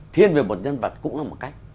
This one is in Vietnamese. thiên về một nhân vật cũng là một cách